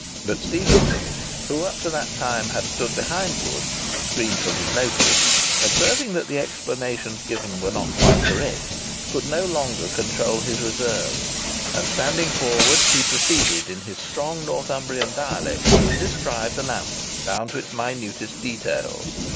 But Stephenson, who up to that time had stood behind Wood, screened from notice, observing that the explanations given were not quite correct, could no longer control his reserve, and, standing forward, he proceeded in his strong Northumbrian dialect, to describe the lamp, down to its minutest details.